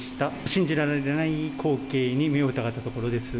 信じられない光景に目を疑ったところです。